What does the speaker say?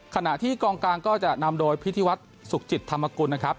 ขณะที่กองกลางก็จะนำโดยพิธีวัฒน์สุขจิตธรรมกุลนะครับ